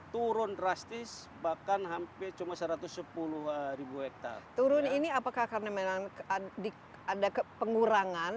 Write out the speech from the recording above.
turun drastis bahkan hampir cuma satu ratus sepuluh hektare turun ini apakah karena memang adik ada ke pengurangan